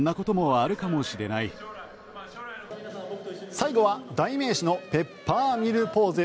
最後は代名詞のペッパーミルポーズ。